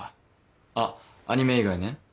あっアニメ以外ね。